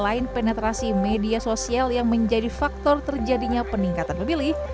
selain penetrasi media sosial yang menjadi faktor terjadinya peningkatan pemilih